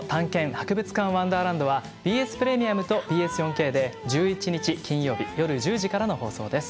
博物館ワンダーランド」はＢＳプレミアムとＢＳ４Ｋで１１日金曜日夜１０時からの放送です。